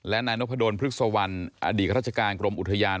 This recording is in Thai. และนายนพดลพฤกษวรรณอดีตราชการกรมอุทยาน